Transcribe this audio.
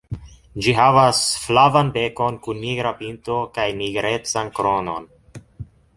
Ĝi havas flavan bekon kun nigra pinto kaj nigrecan kronon.